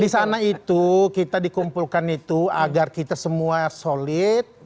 di sana itu kita dikumpulkan itu agar kita semua solid